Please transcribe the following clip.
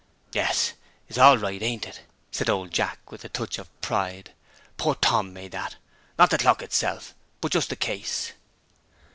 'Yes, it's all right, ain't it?' said old Jack, with a touch of pride. 'Poor Tom made that: not the clock itself, but just the case.'